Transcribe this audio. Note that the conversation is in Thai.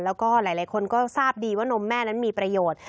แล้วก็หลายคนก็ทราบดีว่านมแม่นั้นมีประโยชน์